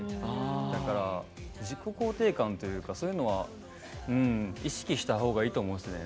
だから自己肯定感というかそういうのは意識したほうがいいと思いますね。